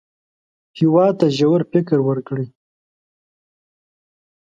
هېواد ته ژور فکر ورکړئ